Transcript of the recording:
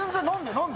何で？